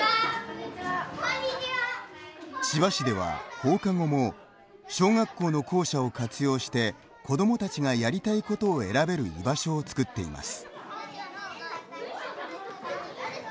千葉市では、放課後も小学校の校舎を活用して子どもたちがやりたいことを選べる居場所を作っています。